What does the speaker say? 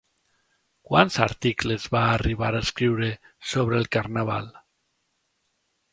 ¿Quants articles va arribar a escriure sobre el Carnaval?